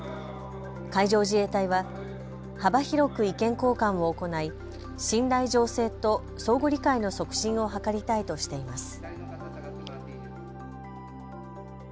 海上自衛隊は幅広く意見交換を行い、信頼醸成と相互理解の促進を図りたいとしています。